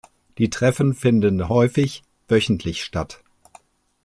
Die Treffen finden häufig wöchentlich statt.